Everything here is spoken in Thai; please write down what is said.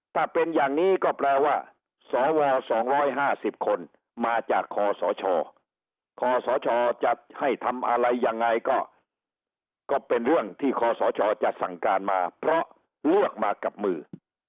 ถ้าเป็นอย่างนี้ก็แปลว่าสว๒๕๐คนมาจากคอสชคศจะให้ทำอะไรยังไงก็เป็นเรื่องที่คอสชจะสั่งการมาเพราะเลือกมากับมือ